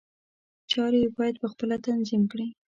چارې یې باید په خپله تنظیم کړي.